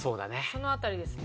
その辺りですね。